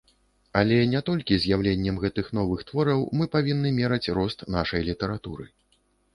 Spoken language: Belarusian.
Але не толькі з'яўленнем гэтых новых твораў мы павінны мераць рост нашай літаратуры.